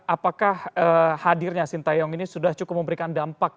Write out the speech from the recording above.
apakah hadirnya sintayong ini sudah cukup memberikan dampak